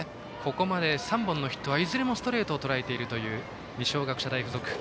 ここまで３本のヒットはいずれもストレートをとらえた二松学舎大付属。